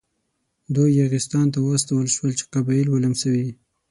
دوی یاغستان ته واستول شول چې قبایل ولمسوي.